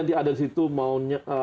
nanti ada di situ mau